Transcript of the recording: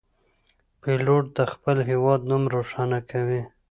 پیلوټ د خپل هیواد نوم روښانه کوي.